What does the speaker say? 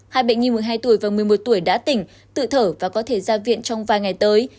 hai bệnh nhi một mươi hai tuổi và một mươi một tuổi đã tỉnh tự thở và có thể ra viện trong vài ngày tới